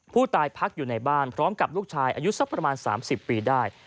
พักอยู่ในบ้านพร้อมกับลูกชายอายุสักประมาณ๓๐ปีได้